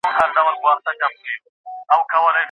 هغه په جګړه کې له ډېرې ځیرکتیا څخه کار اخیست.